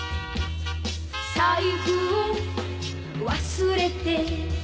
「財布を忘れて」